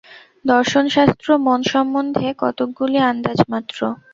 দর্শনশাস্ত্র মন সম্বন্ধে কতকগুলি আন্দাজমাত্র।